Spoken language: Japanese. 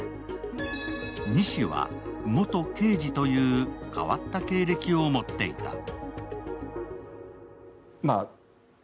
西は、元刑事という変わった経歴を持っていた。